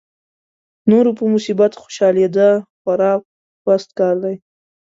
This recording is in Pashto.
د نورو په مصیبت خوشالېدا خورا پست کار دی.